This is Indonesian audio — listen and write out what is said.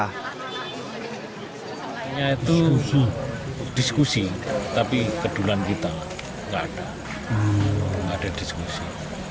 hanya itu diskusi tapi kedulan kita nggak ada diskusi